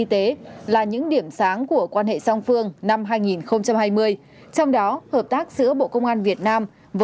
y tế là những điểm sáng của quan hệ song phương năm hai nghìn hai mươi trong đó hợp tác giữa bộ công an việt nam và